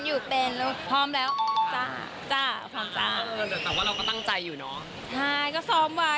ให้อยู่เป็นแล้วพร้อมแล้วจ้าจ้าป้องจ้า